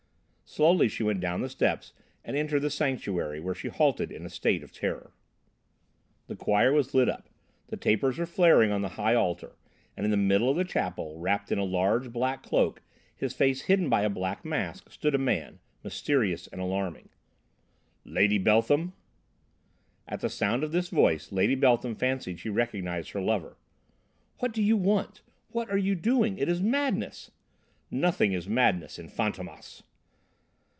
Slowly she went down the steps and entered the sanctuary, where she halted in a state of terror. The choir was lit up. The tapers were flaring on the high altar, and in the middle of the chapel, wrapped in a large black cloak, his face hidden by a black mask, stood a man, mysterious and alarming. "Lady Beltham!" At the sound of this voice, Lady Beltham fancied she recognised her lover. "What do you want? What are you doing? It is madness!" "Nothing is madness in Fantômas!"